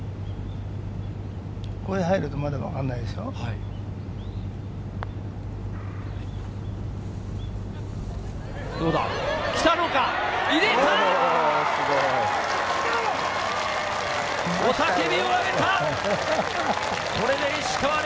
これが入るとまだわからないですよ。